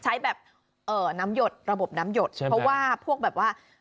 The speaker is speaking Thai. ใช้แบบเอ่อน้ำหยดระบบน้ำหยดใช่เพราะว่าพวกแบบว่า